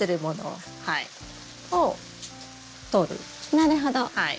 なるほど。